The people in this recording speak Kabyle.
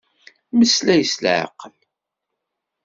Meslay s leɛqel.